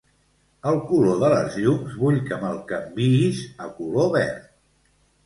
El color de les llums, vull que me'l canviïs a color verd.